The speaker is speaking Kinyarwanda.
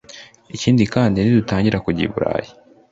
Ikindi kandi nidutangira kujya i Burayi